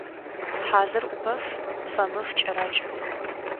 Хьазыр ӏупэф, фэмыф кӏэракӏ.